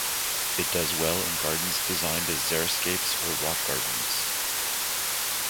It does well in gardens designed as xeriscapes or rock gardens.